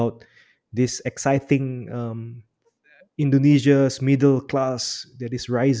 kekuatan indonesia yang menarik